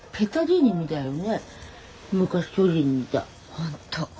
本当。